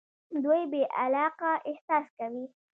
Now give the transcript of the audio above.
دوی بې علاقه احساس کوي.